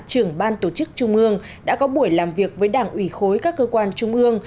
trưởng ban tổ chức trung ương đã có buổi làm việc với đảng ủy khối các cơ quan trung ương